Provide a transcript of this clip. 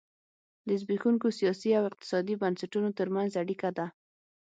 د زبېښونکو سیاسي او اقتصادي بنسټونو ترمنځ اړیکه ده.